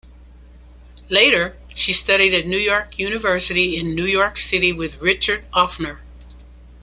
Later, she studied at New York University in New York City with Richard Offner.